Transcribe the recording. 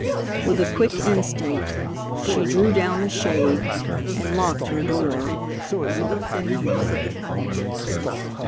With a quick instinct, she drew down the shade, and locked her door.